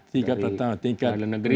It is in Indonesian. tingkat pertama tingkat negeri